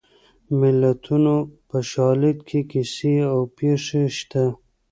د متلونو په شالید کې کیسې او پېښې شته